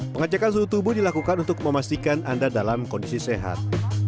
pengecekan suhu tubuh dilakukan untuk memastikan anda dalam kondisi sehat